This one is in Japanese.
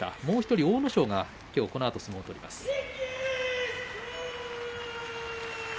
もう１人、阿武咲がこのあと相撲を取ります。